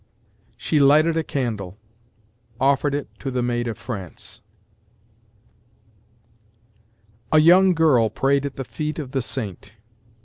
SHE lighted a candle offered it to the Maid of France. A YOUNG girl prayed at the feet of the Saint.